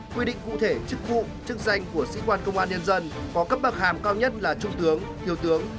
quy định cụ thể chức vụ chức danh của sĩ quan công an nhân dân có cấp bậc hàm cao nhất là trung tướng thiếu tướng